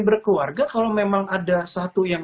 berkeluarga kalau memang ada satu yang